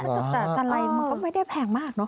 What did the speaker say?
แต่การไล่ก็ไม่ได้แพงมาก